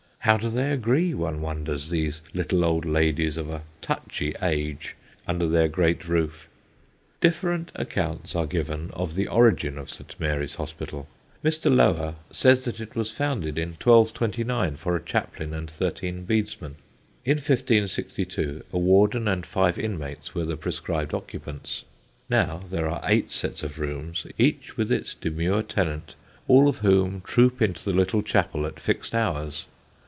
How do they agree, one wonders, these little old ladies of a touchy age under their great roof? Different accounts are given of the origin of St. Mary's Hospital. Mr. Lower says that it was founded in 1229 for a chaplain and thirteen bedesmen. In 1562 a warden and five inmates were the prescribed occupants. Now there are eight sets of rooms, each with its demure tenant, all of whom troop into the little chapel at fixed hours.